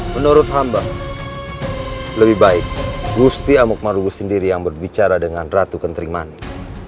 menurut hamba lebih baik gusti amokmaruggo sendiri yang berbicara dengan ratu kentrimanik